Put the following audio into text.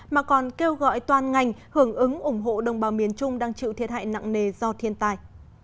mà còn kêu gọi toàn ngành hưởng ứng ủng hộ đồng bào miền trung đang chịu thiệt hại nặng nề do thiên tai